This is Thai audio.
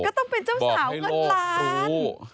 ก็ต้องเป็นเจ้าสาวเงินล้าน